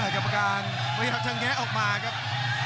กรรมการพยายามเชิงแค้นออกมาครับ